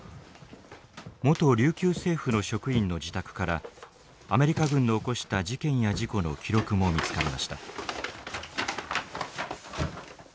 元琉球政府の職員の自宅からアメリカ軍の起こした事件や事故の記録も見つかりました。